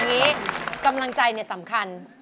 นี่กำลังใจสำคัญ